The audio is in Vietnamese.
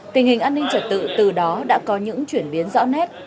tình hình an ninh trật tự từ đó đã có những chuyển biến rõ nét